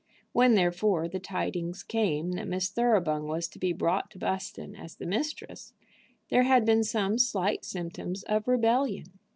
When, therefore, the tidings came that Miss Thoroughbung was to brought to Buston as the mistress, there had been some slight symptoms of rebellion.